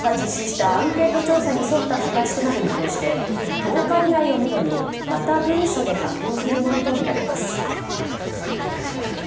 自民党が実施したアンケート調査に沿った形になる見通しで１０日以内をめどに、また文書で発表するものと見られます。